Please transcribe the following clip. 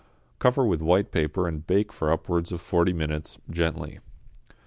Cover with white paper and bake for upwards of forty minutes gently.